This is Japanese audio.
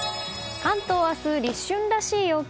関東は明日、立春らしい陽気。